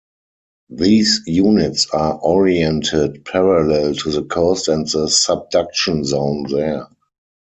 These units are oriented parallel to the coast and the subduction zone there.